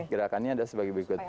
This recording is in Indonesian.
gerakannya ada sebagai berikut